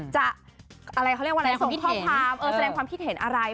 จะอะไรเขาเรียกว่าแสดงความพิเทศอะไร